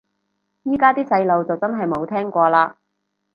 依家啲細路就真係冇聽過嘞